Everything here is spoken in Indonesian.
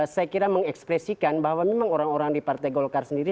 saya kira mengekspresikan bahwa memang orang orang di partai golkar sendiri